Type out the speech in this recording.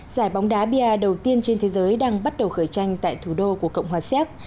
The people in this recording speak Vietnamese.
giải bóng đá bia đầu tiên trên thế giới đang bắt đầu khởi tranh tại thủ đô của cộng hòa xéc